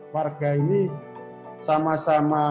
warga ini sama sama